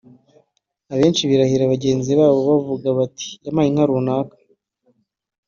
Abenshi birahira bagenzi babo bavuga bati ‘yamapaye inka’ [runaka]